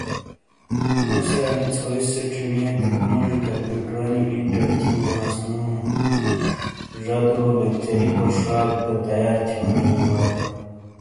مُوسے انی ژھوئی سے چینئے تیک موجی کمپیوٹرنی انٹر تھیون ہانس نو۔۔زادو لیکچری پونش شاک گہ تیار تھیونی ہی مُوڑے